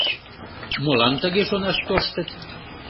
Молан тыге шонаш тоштыт?